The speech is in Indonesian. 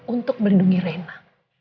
untuk melindungi reina